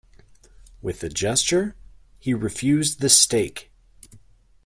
With a gesture he refused the stake.